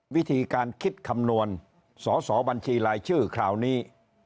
วิธีการคิดคำนวณสอสอบัญชีรายชื่อคราวนี้